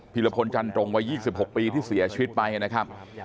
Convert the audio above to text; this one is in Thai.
ีรพลจันตรงวัย๒๖ปีที่เสียชีวิตไปนะครับ